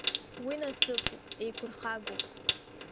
Уи насыԥуп, еиқәырхагоуп.